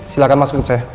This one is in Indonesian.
silakan masuk ke saya